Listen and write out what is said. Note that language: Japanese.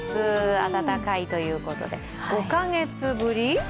暖かいということで、５か月ぶり？